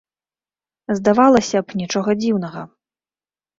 Здавалася б, нічога дзіўнага.